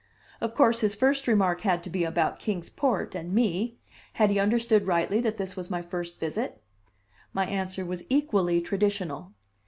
Of course his first remark had to be about Kings Port and me; had he understood rightly that this was my first visit? My answer was equally traditional.